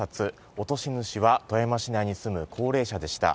落とし主は富山市内に住む高齢者でした。